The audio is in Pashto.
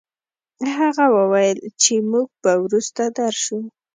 هغه وويل چې موږ به وروسته درشو.